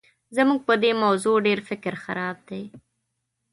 زموږ په دې موضوع ډېر فکر خراب دی.